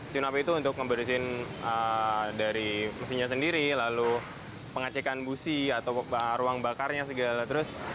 tuan up itu untuk ngebersihin dari mesinnya sendiri lalu pengecekan busi atau ruang bakarnya segala terus